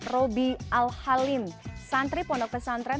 robi al halim santri pondok pesantren